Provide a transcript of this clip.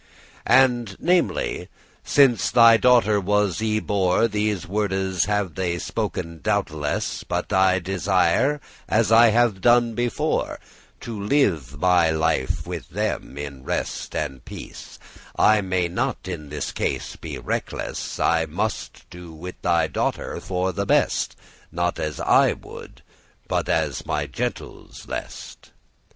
"And namely* since thy daughter was y bore *especially These wordes have they spoken doubteless; But I desire, as I have done before, To live my life with them in rest and peace: I may not in this case be reckeless; I must do with thy daughter for the best, Not as I would, but as my gentles lest.